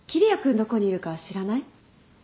どこにいるか知らない？